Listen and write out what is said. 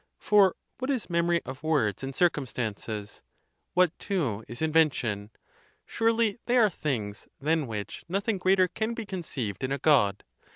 For what is memory of words and circumstances ? What, too, is invention? Surely they are things than which nothing greater can be conceived in a God!